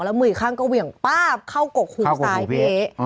แล้วมือข้างก็เหวี่ยงป้าบเข้ากกหูซ้ายเป๊ะ